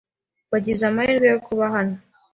Wagize amahirwe yo kuba hano.